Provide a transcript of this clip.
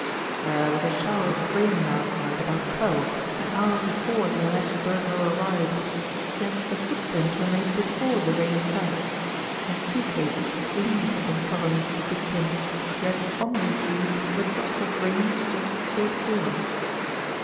"There was a shower of rain last night about twelve, an hour before the alleged burglar arrived; yet the footprints were made before the rain fell. In two cases leaves had been trodden into the footprints; yet on these leaves were drops of rain just as they had fallen."